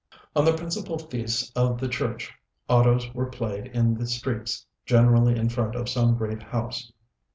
On the principal feasts of the Church autos were played in the streets, generally in front of some great house.